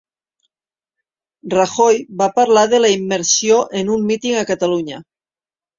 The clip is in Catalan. Rajoy va parlar de la immersió en un míting a Catalunya